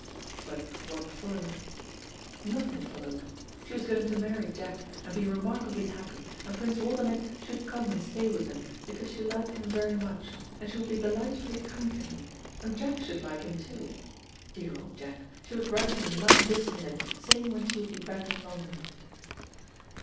But what followed? Nothing followed. She was going to marry Jack, and be remarkably happy, and Prince Waldenech should come and stay with them because she liked him very much, and she would be delightfully kind to him, and Jack should like him too. Dear old Jack, she would write him a line this minute, saying when she would be back in London.